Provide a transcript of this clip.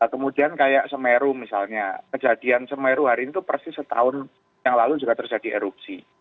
kemudian kayak semeru misalnya kejadian semeru hari itu persis setahun yang lalu juga terjadi erupsi